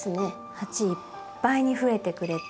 鉢いっぱいに増えてくれて。